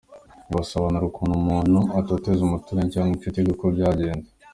Ntiwasobanura ukuntu umuntu atoteza umuturanyi cyangwa inshuti nkuko byagenze.